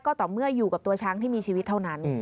ก็ต่อเมื่ออยู่กับตัวช้างที่มีชีวิตเท่านั้น